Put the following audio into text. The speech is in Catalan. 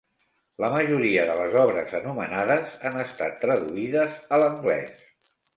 La majoria de les obres anomenades han estat traduïdes a l'anglès.